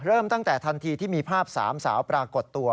เริ่มตั้งแต่ทันทีที่มีภาพสามสาวปรากฏตัว